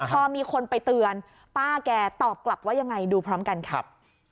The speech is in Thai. พอมีคนไปเตือนป้าแกตอบกลับว่ายังไงดูพร้อมกันครับ